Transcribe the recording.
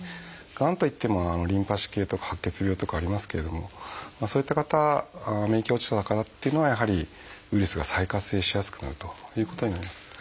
がんといってもリンパ腫とか白血病とかありますけれどもそういった方免疫落ちた方っていうのはやはりウイルスが再活性化しやすくなるということになります。